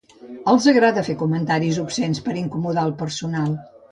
Els agrada fer comentaris obscens per incomodar el personal.